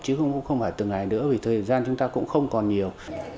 chứ không phải từng ngày nữa vì thời gian chúng ta cũng không còn nhiều